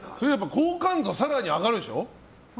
好感度、更に上がるでしょ？